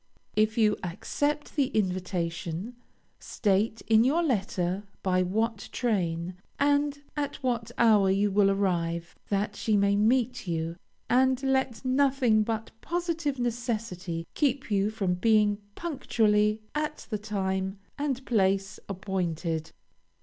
If you accept the invitation, state in your letter by what train, and at what hour you will arrive, that she may meet you, and let nothing but positive necessity keep you from being punctually at the time and place appointed.